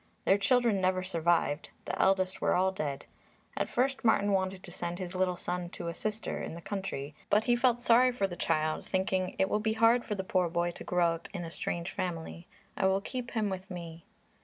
Their children never survived; the eldest were all dead. At first Martin wanted to send his little son to a sister in the country, but he felt sorry for the child, thinking, "It will be hard for the poor boy to grow up in a strange family; I will keep him with me."